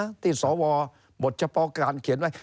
เท่านั้นนะที่สวบทเฉพาะการเขียนไว้